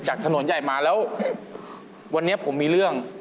ถนนใหญ่มาแล้ววันนี้ผมมีเรื่อง